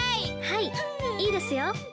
はいいいですよ。